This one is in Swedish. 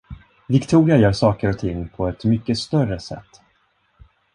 Victoria gör saker och ting på ett mycket större sätt.